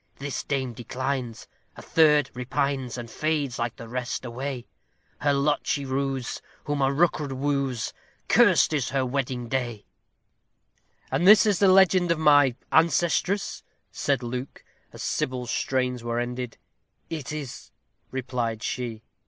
This dame declines a third repines, and fades, like the rest, away; Her lot she rues, whom a Rookwood woos cursed is her Wedding Day! "And this is the legend of my ancestress?" said Luke, as Sybil's strains were ended. "It is," replied she.